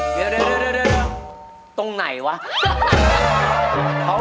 โอ้โฮบริหารใบหน้ามีเสียงเพลง